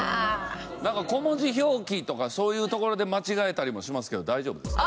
小文字表記とかそういうところで間違えたりもしますけど大丈夫ですか？